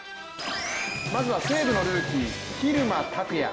まずは西武のルーキー、蛭間拓哉。